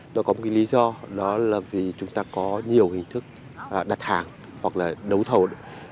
nó có một cái lý do đó là vì chúng ta có nhiều hình thức đặt hàng hoặc là đấu thầu